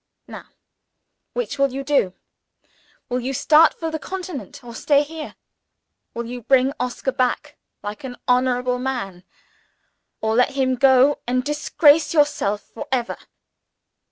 Now, which will you do? Will you start for the Continent, or stay here? Will you bring Oscar back, like an honorable man? or let him go, and disgrace yourself for ever?"